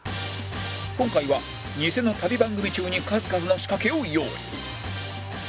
今回は偽の旅番組中に数々の仕掛けを用意